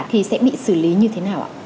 thì sẽ bị xử lý như thế nào ạ